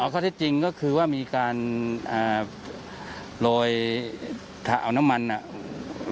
อ๋อข้อที่จริงก็คือว่ามีการอ่าโรยถ้าเอาน้ำมันอ่ะ